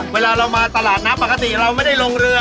เวลาเรามาตลาดน้ำปกติเราไม่ได้ลงเรือ